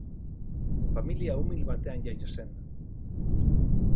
Familia umil batean jaio zen.